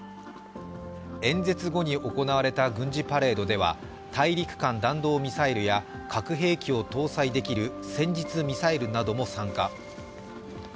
演説後に行われた軍事パレードでは大陸間弾道ミサイルや核兵器を搭載できる戦術ミサイルなども参加。